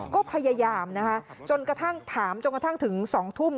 ก็พยายามนะคะจนกระทั่งถามจนกระทั่งถึง๒ทุ่ม